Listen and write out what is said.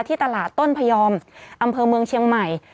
ตลาดต้นพยอมอำเภอเมืองเชียงใหม่